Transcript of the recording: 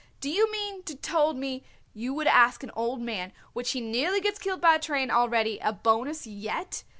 Do you mean to told me you would ask an old man which he nearly gets killed by a train already a bonus yet?